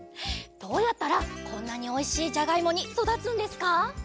どうやったらこんなにおいしいじゃがいもにそだつんですか？